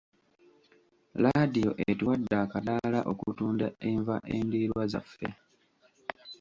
Laadiyo etuwadde akadaala okutunda enva endiirwa zaffe.